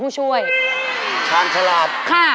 ด้วยค่ะ